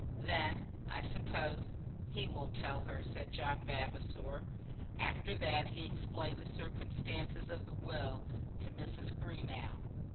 "Then, I suppose, he will tell her," said John Vavasor. After that he explained the circumstances of the will to Mrs. Greenow.